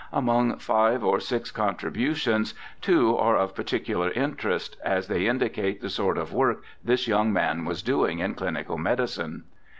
Among five or six contributions two are of particular interest, as they indicate the sort of work this young man was doing in clinical medicine.